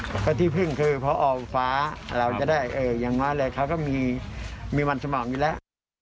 เพราะที่เพิ่งคือพอออกฟ้าเราจะได้อย่างนั้นเลยครับก็มีมันสม่องอยู่แล้ว